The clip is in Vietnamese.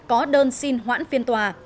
có đơn xin hoãn phiên tòa